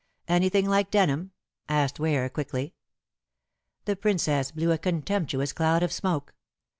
"Anything like Denham?" asked Ware quickly. The Princess blew a contemptuous cloud of smoke.